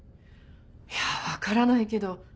いやわからないけど。